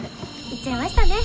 行っちゃいましたね。